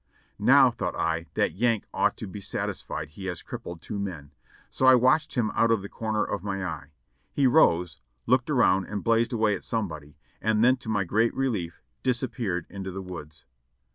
Now, thought I. that Yank ought to be satisfied, he has crip pled two men ; so I watched him out of the corner of my eye. He rose, looked around and blazed away at somebody, and then to my great relief disappeared into the woods.